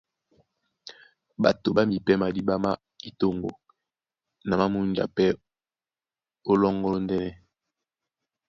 Ɓato ɓá mipɛ́ madíɓá má yí toŋgo na má múnja pɛ́ ó lɔ́ŋgɔ́ lóndɛ́nɛ.